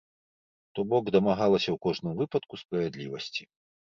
То бок дамагалася ў кожным выпадку справядлівасці.